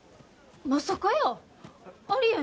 まさかやー。